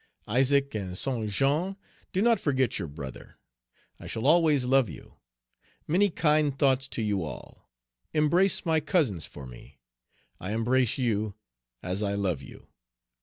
Isaac and Saint Jean, do not forget your brother! I shall always love you. Many kind thoughts to you all; embrace my cousins for me. I embrace you as I love you.